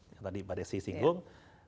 yang tadi pada saya singgung